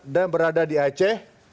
dan berada di aceh